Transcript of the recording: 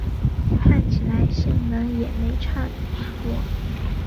看起来性能也没差很多